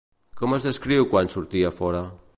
Com es descriu quan sortia a fora?